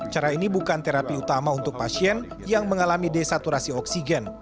cara ini bukan terapi utama untuk pasien yang mengalami desaturasi oksigen